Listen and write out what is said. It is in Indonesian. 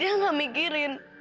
dia gak mikirin